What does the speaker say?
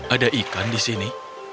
ada ikan di sini